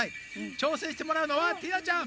ちょうせんしてもらうのはティナちゃん。